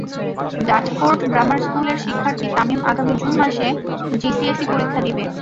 Dartford grammar স্কুলের শিক্ষার্থী তামিম আগামী জুন মাসে জিসিএসই পরীক্ষা দেবে।